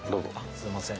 ・すいません。